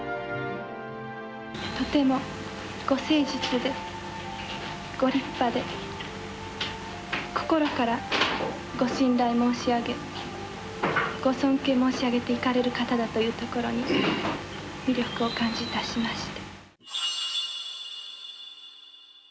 とてもご誠実で、ご立派で、心からご信頼申し上げ、ご尊敬申し上げていかれる方だというところに魅力を感じいたしました。